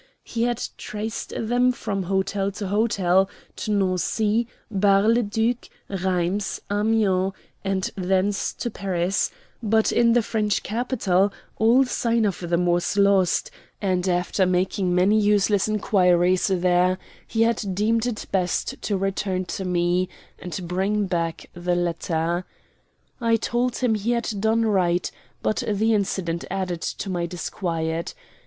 He had traced them from hotel to hotel, to Nancy, Bar le Duc, Rheims, Amiens, and thence to Paris; but in the French capital all sign of them was lost, and after making many useless inquiries there he had deemed it best to return to me and bring back the letter. I told him he had done right, but the incident added to my disquiet.